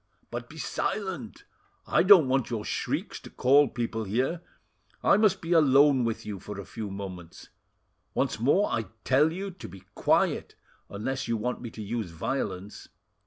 But be silent; I don't want your shrieks to call people here. I must be alone with you for a few moments. Once more I tell you to be quiet, unless you want me to use violence.